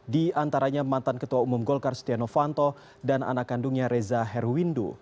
di antaranya mantan ketua umum golkar setia novanto dan anak kandungnya reza herwindu